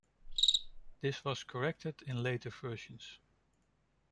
This was corrected in later versions.